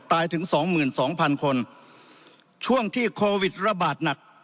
ถึงสองหมื่นสองพันคนช่วงที่โควิดระบาดหนัก